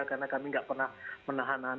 karena kami nggak pernah menahan nahan